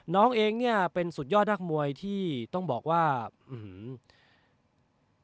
น้องเองเนี่ยเป็นสุดยอดนักมวยที่ต้องบอกว่าอื้อหือ